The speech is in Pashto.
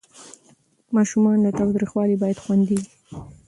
ماشومان له تاوتریخوالي باید خوندي وي.